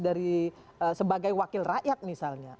dari sebagai wakil rakyat misalnya